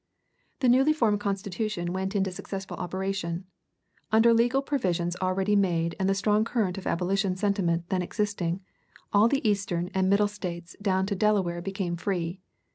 The newly formed Constitution went into successful operation. Under legal provisions already made and the strong current of abolition sentiment then existing, all the Eastern and Middle States down to Delaware became free.